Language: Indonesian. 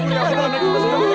nampak sekali bahkan aku